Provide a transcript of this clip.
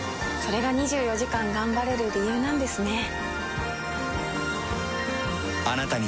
れが２４時間頑張れる理由なんですね。